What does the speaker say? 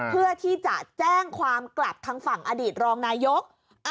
เพื่อที่จะแจ้งความกลับทางฝั่งอดีตรองนายก